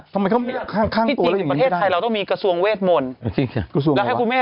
ทำไมเขาไม่ข้างตัวแล้วอย่างนี้ไม่ได้